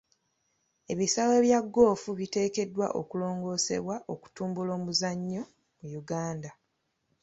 Ebisaawe bya ggoofu biteekeddwa okulongoosebwa okutumbula omuzannyo mu Uganda.